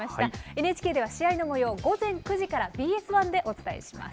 ＮＨＫでは試合のもようを午前９時から、ＢＳ１でお伝えします。